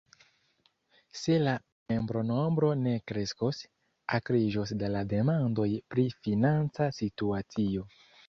Se la membronombro ne kreskos, akriĝos la demandoj pri financa situacio.